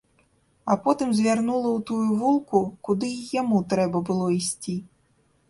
А потым звярнула ў тую вулку, куды і яму трэба было ісці.